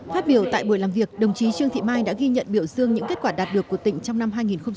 phát biểu tại buổi làm việc đồng chí trương thị mai đã ghi nhận biểu dương những kết quả đạt được của tỉnh trong năm hai nghìn một mươi tám